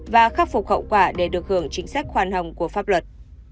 và khắc phục hậu quả để được hưởng chính sách khoan hồng của pháp luật